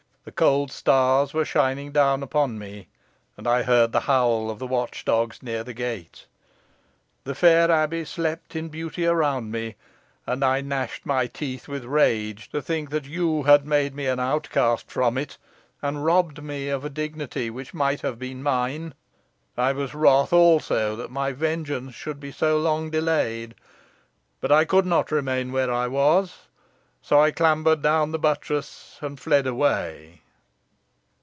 The cold stars were shining down upon me, and I heard the howl of the watch dogs near the gate. The fair abbey slept in beauty around me, and I gnashed my teeth with rage to think that you had made me an outcast from it, and robbed me of a dignity which might have been mine. I was wroth also that my vengeance should be so long delayed. But I could not remain where I was, so I clambered down the buttress, and fled away."